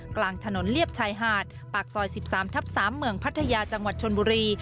กลางถนนเลียบชายหาดปากซอย๑๓ทับ๓เมืองพัทยาจังหวัดชนบุรี